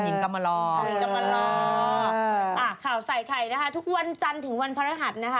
หญิงกำลังรอบอ่าข่าวใส่ไข่นะคะทุกวันจันทร์ถึงวันพระรหัสนะคะ